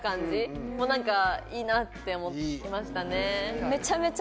もう何かいいなって思いましたね。